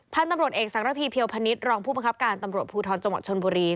พันธุ์ตำรวจเอกสารพีเพียวพนิษฐรองผู้บังคับการตำรวจภูทรจังหวัดชนบุรี